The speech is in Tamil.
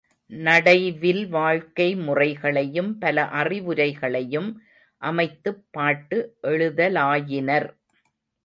நாடைவில் வாழ்க்கை முறைகளையும் பல அறிவுரைகளையும் அமைத்துப் பாட்டு எழுதலாயினர்.